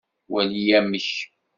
Wali amek!